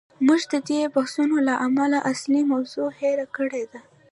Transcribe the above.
موږ د دې بحثونو له امله اصلي موضوع هیر کړې ده.